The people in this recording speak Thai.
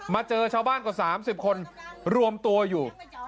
เจอชาวบ้านกว่า๓๐คนรวมตัวอยู่